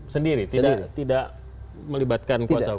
sendiri tidak melibatkan kuasa hukum